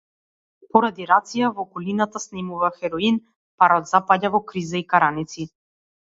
Поради рација, во околината снемува хероин, парот запаѓа во криза и караници.